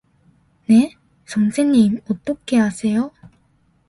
네? 선생님 어떻게 아세요?